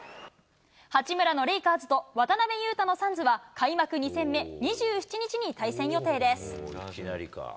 八村のレイカーズと、渡邊雄太のサンズは、開幕２戦目、２７日に対戦予定です。